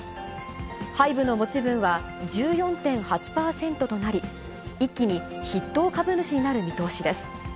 ハイブの持ち分は、１４．８％となり、一気に筆頭株主になる見通しです。